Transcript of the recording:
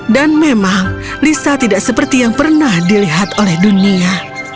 dan memang lisa tidak seperti yang pernah dilihat oleh dunia